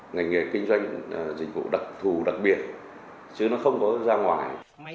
ngành nghề kinh doanh dịch vụ đặc thù đặc biệt chứ nó không có ra ngoài